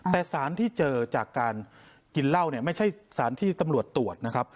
แต่สารที่เจอจากการกินเหล้าเนี่ยไม่ใช่สารที่ตำรวจตรวจนะครับ